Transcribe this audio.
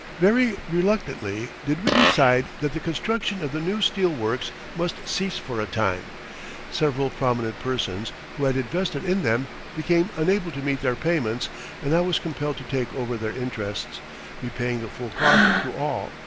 Very reluctantly did we decide that the construction of the new steel works must cease for a time. Several prominent persons, who had invested in them, became unable to meet their payments and I was compelled to take over their interests, repaying the full cost to all.